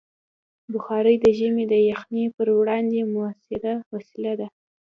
بخاري د ژمي د یخنۍ پر وړاندې مؤثره وسیله ده.